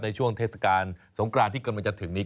ช่วงเทศกาลสงกรานที่กำลังจะถึงนี้